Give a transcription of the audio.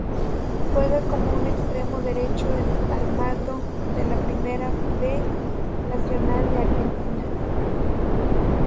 Juega como extremo derecho en Almagro de la Primera B Nacional de Argentina.